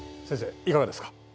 先生いかがですか？